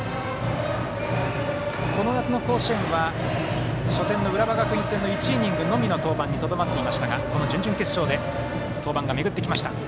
この夏の甲子園は、初戦の浦和学院戦の１イニングのみの登板にとどまっていましたが準々決勝で登板が巡ってきました。